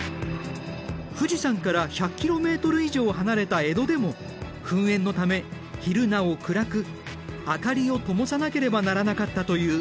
富士山から１００ｋｍ以上離れた江戸でも噴煙のため昼なお暗く明かりをともさなければならなかったという。